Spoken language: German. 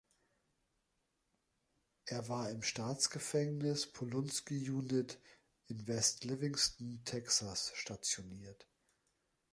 Er war im Staatsgefängnis Polunsky Unit in West Livingston, Texas, stationiert.